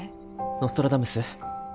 ノストラダムス？